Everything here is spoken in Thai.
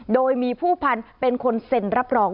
โดยมีผู้พันธุ์เป็นคนเซ็นรับรอง